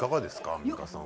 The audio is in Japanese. アンミカさん。